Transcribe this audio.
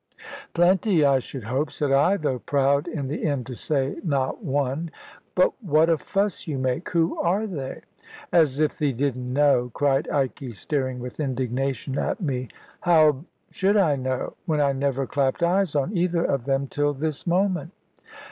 "Plenty, I should hope," said I (though proud in the end to say "not one"); "but what a fuss you make! Who are they?" "As if thee didn't know!" cried Ikey, staring with indignation at me. "How should I know when I never clapped eyes on either of them till this moment?"